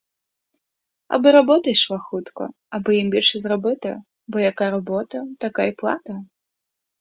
Аби робота йшла хутко, аби їм більше зробити, бо яка робота, така й плата!